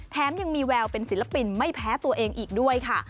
แถมยังมีแววเป็นศิลปินไม่แพ้ตัวเองอีกด้วยค่ะ